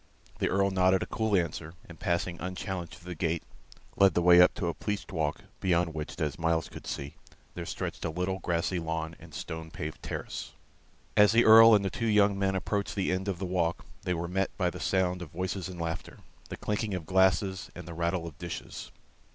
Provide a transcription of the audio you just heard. The Earl nodded a cool answer, and passing unchallenged through the gate, led the way up a pleached walk, beyond which, as Myles could see, there stretched a little grassy lawn and a stone paved terrace. As the Earl and the two young men approached the end of the walk, they were met by the sound of voices and laughter, the clinking of glasses and the rattle of dishes.